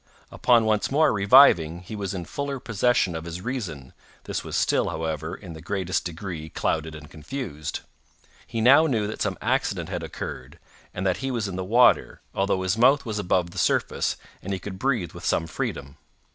Upon once more reviving he was in fuller possession of his reason—this was still, however, in the greatest degree clouded and confused. He now knew that some accident had occurred, and that he was in the water, although his mouth was above the surface, and he could breathe with some freedom.